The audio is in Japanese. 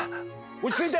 落ち着いて。